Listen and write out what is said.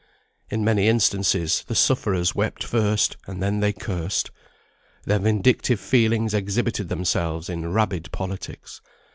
In many instances the sufferers wept first, and then they cursed. Their vindictive feelings exhibited themselves in rabid politics.